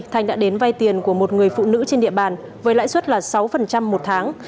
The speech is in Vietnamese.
thanh đã đến vay tiền của một người phụ nữ trên địa bàn với lãi suất là sáu một tháng